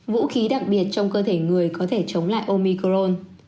vũ khí đặc biệt trong cơ thể người có thể chống lại omicron